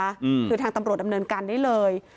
อืมคือทางตำรวจดำเนินการได้เลย